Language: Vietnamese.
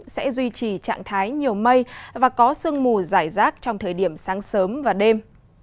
sẽ duy trì trạng thái nhiều mây và có sương mù giải rác trong thời điểm sáng sớm và đêm